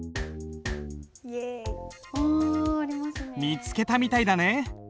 見つけたみたいだね。